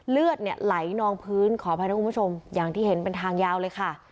เลือดเนี่ยไหลนองพื้นขออภัยนะคุณผู้ชมอย่างที่เห็นเป็นทางยาวเลยค่ะ